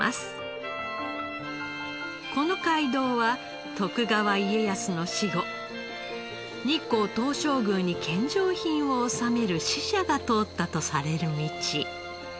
この街道は徳川家康の死後日光東照宮に献上品を納める使者が通ったとされる道。